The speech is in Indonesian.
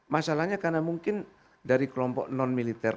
masalahnya karena mungkin dari kelompok non militer